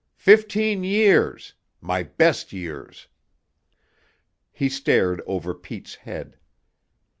Fifteen years! My best years!" He stared over Pete's head.